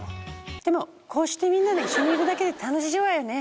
でもみんなで一緒にいるだけで楽しいわよね。